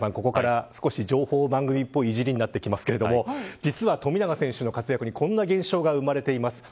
そして谷原さん、ここからは少し情報番組っぱいいじりなってきますが実は富永選手の活躍にこんな現象が生まれています。